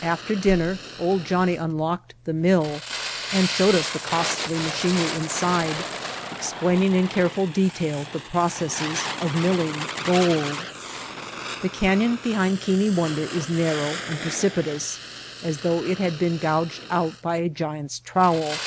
After dinner "Old Johnnie" unlocked the mill and showed us the costly machinery inside, ex plaining in careful detail the processes of mill ing gold. The canyon behind Keane Wonder is narrow and precipitous as though it had been gouged out by a giant's trowel.